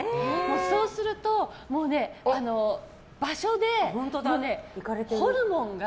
そうすると、場所でホルモンが